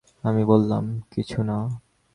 আমি বললাম, কিছু না।